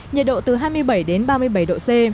nhiệt độ từ hai mươi bảy đến ba mươi bảy độ c